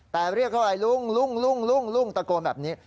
แต่เรียกเขาอะไรลุงตะโกนแบบนี้